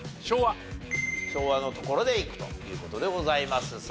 昭和のところでいくという事でございます。